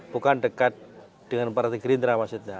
bukan dekat dengan partai gerindra maksudnya